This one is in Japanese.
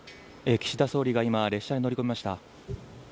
岸田総理が今、列車に乗り込みました。